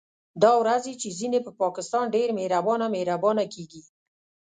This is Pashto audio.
دا ورځې چې ځينې په پاکستان ډېر مهربانه مهربانه کېږي